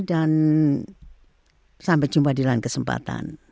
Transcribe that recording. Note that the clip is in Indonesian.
dan sampai jumpa di lain kesempatan